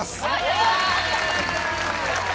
やった！